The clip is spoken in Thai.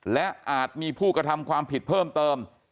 และอาจมีผู้กระทำความผิดเพิ่มเติม